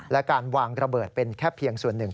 และการวางระเบิดเป็นแค่เพียงส่วนหนึ่ง